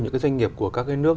những doanh nghiệp của các nước